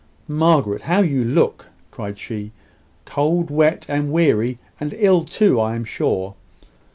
"Margaret! how you look!" cried she. "Cold, wet, and weary: and ill, too, I am sure."